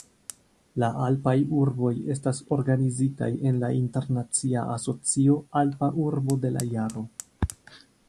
La Alpaj urboj estas organizitaj en la internacia asocio "Alpa Urbo de la Jaro".